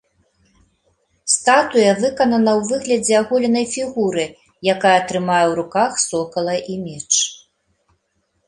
Статуя выканана ў выглядзе аголенай фігуры, якая трымае ў руках сокала і меч.